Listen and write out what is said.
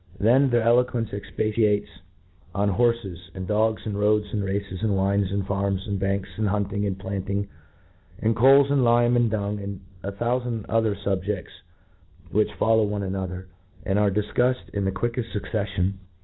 Then their eloquence expatiates on horfes, and dogs, and rpads^ and races, and wines, and farpjLS, and' banks, and hunting, and planting, and coals, and lime, and dung, and a thoufand pther fubjefts which follow one another, and are ^ifcuffcd in the quickeft fucceffion.